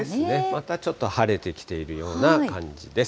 またちょっと晴れてきているような感じです。